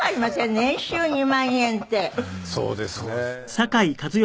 そうですね。